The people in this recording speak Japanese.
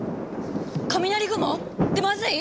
雷雲⁉ってまずい？